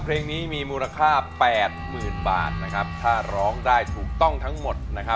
เพลงนี้มีมูลค่า๘๐๐๐บาทถ้าร้องได้ถูกต้องทั้งหมด